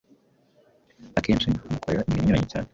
Akenshi amukorera imirimo inyuranye cyane.